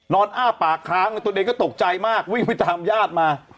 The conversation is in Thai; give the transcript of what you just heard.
อ้าปากค้างตัวเองก็ตกใจมากวิ่งไปตามญาติมา